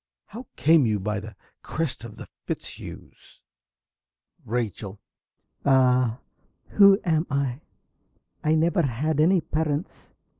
How came you by the crest of the Fitzhughs? ~Rachel.~ Ah, who am I? I never had any parents.